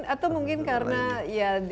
atau mungkin karena